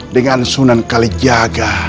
dengan sunan kali jaga